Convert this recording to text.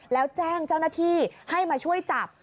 แล้วแจ้งเจ้าหน้าที่ให้มาช่วยจับ